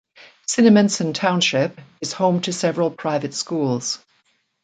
Cinnaminson Township is home to several private schools.